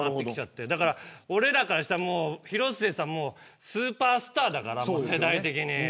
俺らからしたら広末さんもスーパースターだから世代的に。